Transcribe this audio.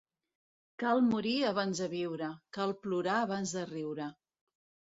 Cal morir abans de viure; cal plorar abans de riure.